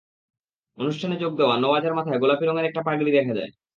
অনুষ্ঠানে যোগ দেওয়া নওয়াজের মাথায় গোলাপি রঙের একটি পাগড়ি দেখা যায়।